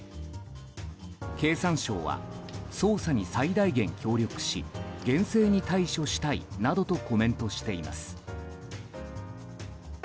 経産省は、捜査に最大限協力し厳正に対処したいなどとコメントしています。